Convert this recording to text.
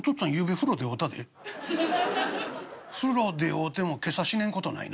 風呂で会うても今朝死ねん事はないな。